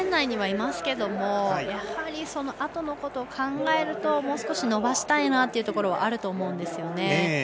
圏内にはいますけどもやはり、あとのことを考えるともう少し伸ばしたいなというところあると思うんですね。